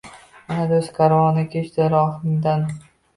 Ana, do’st karvoni kechdi rohingdan